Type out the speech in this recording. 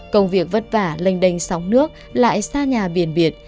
công việc vất vả lênh đênh sóng nước lại xa nhà biển biệt